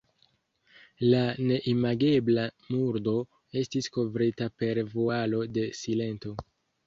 La neimagebla murdo estis kovrita per vualo de silento.